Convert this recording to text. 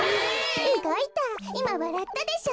うごいたいまわらったでしょ？